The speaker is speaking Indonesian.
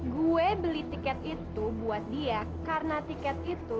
gue beli tiket itu buat dia karena tiket itu